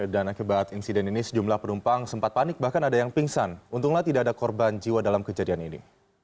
dan akibat insiden ini sejumlah penumpang sempat panik bahkan ada yang pingsan untunglah tidak ada korban jiwa dalam kejadian ini